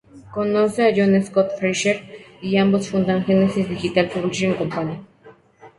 Conoce a Jan Scott Frasier, y ambos fundan "Genesis Digital Publishing Company".